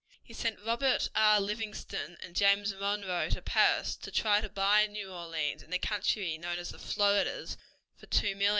He sent Robert R. Livingston and James Monroe to Paris to try to buy New Orleans and the country known as the Floridas for $2,000,000.